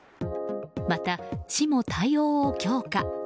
また市も対応を強化。